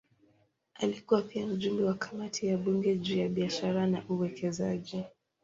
Alikuwa pia mjumbe wa kamati ya bunge juu ya biashara na uwekezaji.